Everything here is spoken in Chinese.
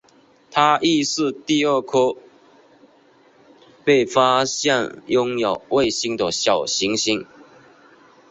它亦是第二颗被发现拥有卫星的小行星。